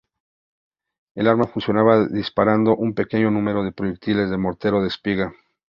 El arma funcionaba disparando un pequeño número de proyectiles de mortero de espiga.